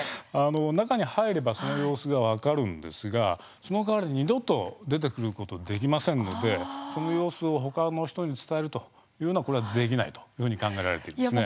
中に入ればその様子が分かるんですがその代わり、二度と出てくることできませんのでその様子を、ほかの人に伝えるというのはできないというふうに考えられているんです。